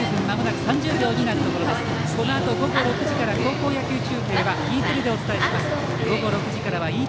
このあと午後６時から高校野球中継はＥテレでお伝えします。